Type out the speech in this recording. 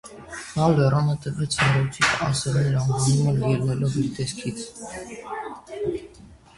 Նա լեռանը տվեց «սառույցի ասեղներ» անվանումը, ելնելով իր տեսքից։